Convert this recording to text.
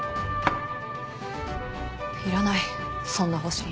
いらないそんな保身。